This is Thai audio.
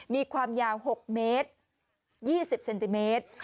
มีความยาว๖เมตร๒๐เซนติเมตร